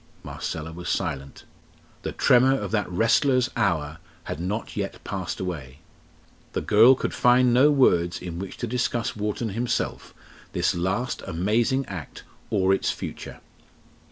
Marcella was silent. The tremor of that wrestler's hour had not yet passed away. The girl could find no words in which to discuss Wharton himself, this last amazing act, or its future.